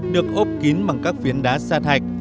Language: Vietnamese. được ốp kín bằng các phiến đá xa thạch